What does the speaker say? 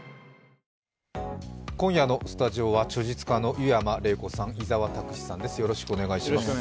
今夜のスタジオは著述家の湯山玲子さん、伊沢拓司さんです。